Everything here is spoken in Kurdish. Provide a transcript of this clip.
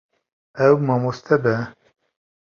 Ew mamoste be.